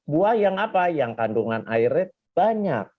buah yang apa yang kandungan airnya banyak